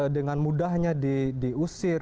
dengan mudahnya diusir